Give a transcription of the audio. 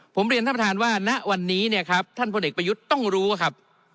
ผมเรียนท่านประธานว่าณวันนี้เนี่ยครับท่านพลเอกประยุทธ์ต้องรู้ครับ